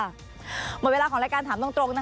หมดเวลาของรายการถามตรงนะคะ